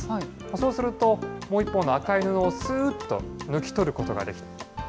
そうすると、もう一方の赤い布をすーっと抜き取ることができる。